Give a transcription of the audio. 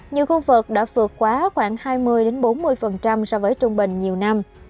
nhiều khu vực đã vượt quá khoảng hai mươi bốn mươi so với trung bình nhiều năm